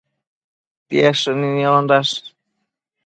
Tied shënino niondash